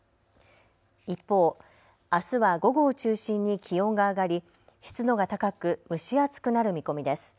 一方あすは午後を中心に気温が上がり湿度が高く蒸し暑くなる見込みです。